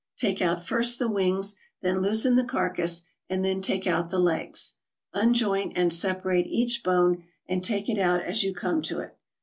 Take out first the wings, then loosen the carcass, and then take out the legs. Unjoint and separate each bone, and take it out as you come to it.